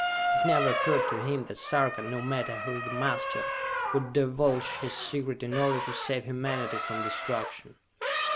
It never occurred to him that Sarka, no matter who the master, would divulge his secret in order to save humanity from destruction.